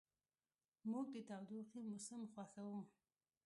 موږ د تودوخې موسم خوښوو.